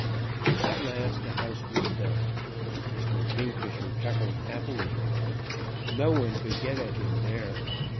"At last the house was done. Mr. Kingfisher chuckled happily. No one could get at him there.